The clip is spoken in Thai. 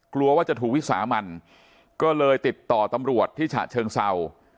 กลัวว่าจะถูกวิสามันก็เลยติดต่อตำรวจที่ฉะเชิงเศร้า